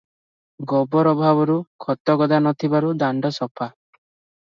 ଗୋବର ଅଭାବରୁ ଖତଗଦା ନଥିବାରୁ ଦାଣ୍ତ ସଫା ।